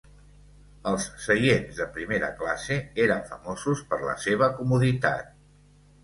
Els seients de primera classe eren famosos per la seva comoditat.